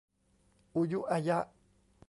อูยุอะยะ